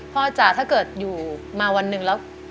จ้ะถ้าเกิดอยู่มาวันหนึ่งแล้ว